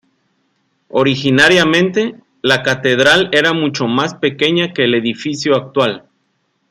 Originariamente, la catedral era mucho más pequeña que el edificio actual.